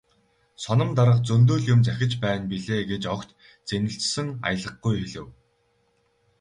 "Соном дарга зөндөө л юм захиж байна билээ" гэж огт зэмлэсэн аялгагүй хэлэв.